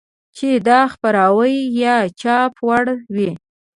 چې د خپراوي يا چاپ وړ وي.